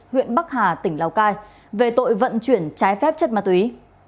huyện bắc hà tỉnh lào cai về tội vận chuyển trái phép chất ma túy